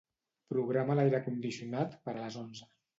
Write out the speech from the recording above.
Programa l'aire condicionat per a les onze.